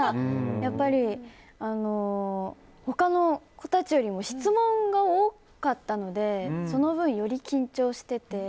やっぱり、他の子たちよりも質問が多かったのでその分、より緊張してて。